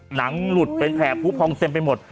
หนังหลุดเป็นแผลผู้พองเต็มไปหมด